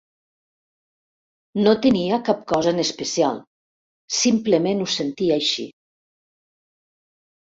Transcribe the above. No tenia cap cosa en especial, simplement ho sentia així.